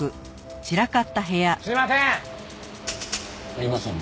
すいません！